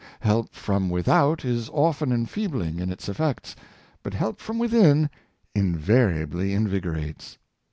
Help from without is often enfeebling in its effects, but help from within invariably invigorates.